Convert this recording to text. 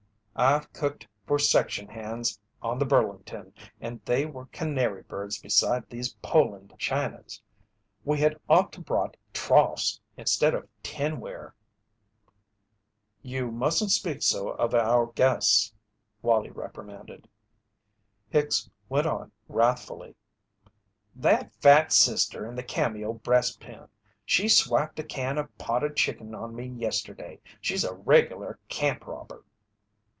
"I've cooked for section hands on the Burlington, and they were canary birds beside these Poland Chinas. We had ought to brought troughs instead of tinware." "You mustn't speak so of our guests," Wallie reprimanded. Hicks went on wrathfully: "That fat sister in the cameo breastpin she swiped a can of potted chicken on me yesterday she's a regular 'camp robber'."